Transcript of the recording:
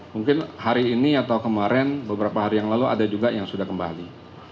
mungkin hari ini atau kemarin beberapa hari yang lalu ada juga yang sudah kembali